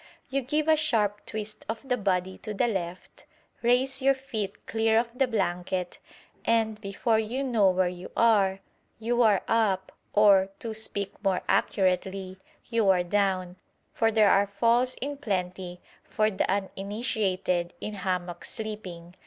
You give a sharp twist of the body to the left, raise your feet clear of the blanket, and, before you know where you are, you are up, or, to speak more accurately, you are down, for there are falls in plenty for the uninitiated in hammock sleeping.